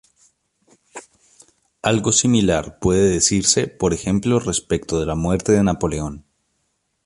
Algo similar puede decirse por ejemplo respecto de la muerte de Napoleón.